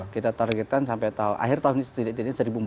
kita targetkan sampai akhir tahun ini